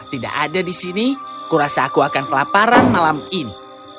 tidak ada di sini kurasa aku akan kelaparan malam ini